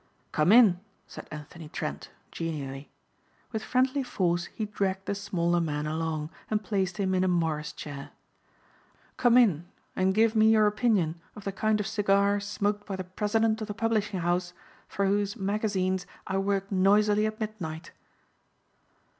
"Come in," said Anthony Trent genially. With friendly force he dragged the smaller man along and placed him in a morris chair. "Come in and give me your opinion of the kind of cigar smoked by the president of the publishing house for whose magazines I work noisily at midnight."